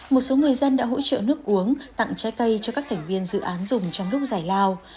một số người dân đã hỗ trợ nước uống tặng trái cây cho các thành viên dự án dùng trong lúc giải lao